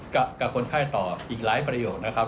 กับคนไข้ต่ออีกหลายประโยคนะครับ